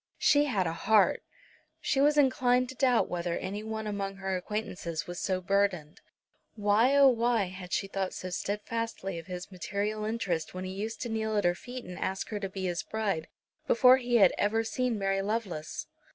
She had a heart! She was inclined to doubt whether any one among her acquaintances was so burdened. Why, oh why, had she thought so steadfastly of his material interests when he used to kneel at her feet and ask her to be his bride, before he had ever seen Mary Lovelace?